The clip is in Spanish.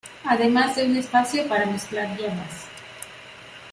Además de un espacio para mezclar hierbas.